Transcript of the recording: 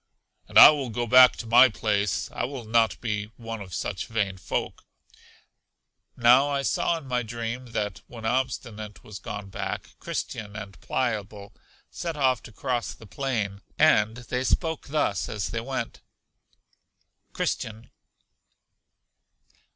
And I will go back to my place; I will not be one of such vain folk. Now I saw in my dream, that when Obstinate was gone back, Christian and Pliable set off to cross the plain, and they spoke thus as they went: Christian.